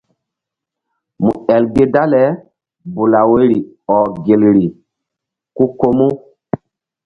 Mu el gi dale bula woyri ɔh gelri ku ko mu.